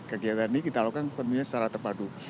kegiatan ini kita lakukan tentunya secara terpadu